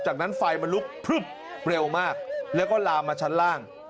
จากนั้นไฟมันลุกพลึบเร็วมากแล้วก็ลามมาชั้นล่าง